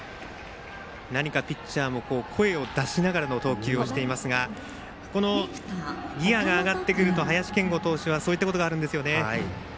何かピッチャーも声を出しながらの投球をしていますがこのギヤが上がってくると林謙吾投手はそういったことがあるんですよね。